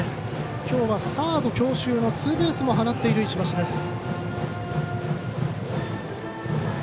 今日はサード強襲のツーベースも放っている石橋です。